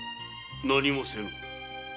何もせぬ。